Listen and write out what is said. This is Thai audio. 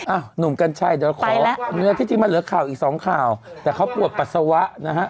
หนุ่มกัญชัยเดี๋ยวขอเนื้อที่จริงมันเหลือข่าวอีกสองข่าวแต่เขาปวดปัสสาวะนะฮะ